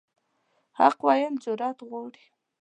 حق ویل جرأت غواړي.